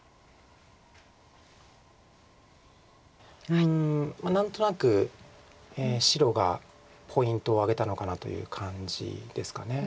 うん何となく白がポイントを挙げたのかなという感じですか。